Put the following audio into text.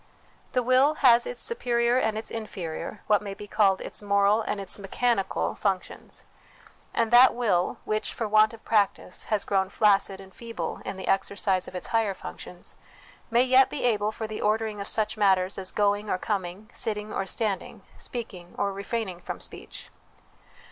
The will has its superior and its inferior, what may be called its moral and its mechanical, 21 322 HOME EDUCATION functions ; and that will which, for want of practice, has grown flaccid and feeble in the exercise of its higher functions, may yet be able for the ordering of such matters as going or coming, sitting or standing, speaking or refraining from speech.